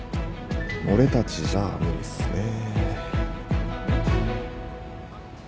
俺たちじゃ無理っすね。